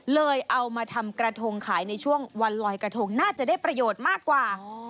เอามาทำกระทงขายในช่วงวันลอยกระทงน่าจะได้ประโยชน์มากกว่า